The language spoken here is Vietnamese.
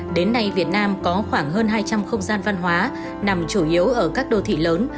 đến nay việt nam có khoảng hơn hai trăm linh không gian văn hóa nằm chủ yếu ở các đô thị lớn